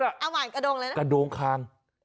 เอาใหม่กระดงอะไรนะ